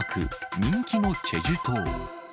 人気のチェジュ島。